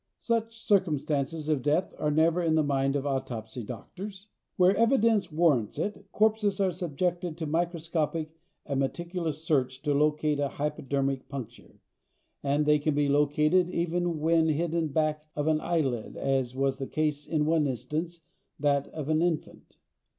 Such circumstances of death are ever in the mind of autopsy doctors. Where evidence warrants it corpses are subjected to microscopic and meticulous search to locate a hypodermic puncture. And they can be located even when hidden back of an eyelid as was the case in one instance, that of an infant.